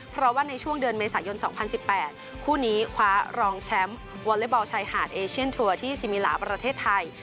เพราะว่าในช่วงเดือนเมษายน๒๐๑๘คู่นี้คว้ารองแชมป์วอเล็กบอลชายหาดเอเชียนทัวร์ที่ซิมิลาประเทศไทย